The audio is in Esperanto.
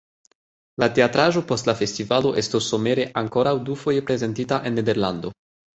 La teatraĵo post la festivalo estos somere ankoraŭ dufoje prezentita en Nederlando.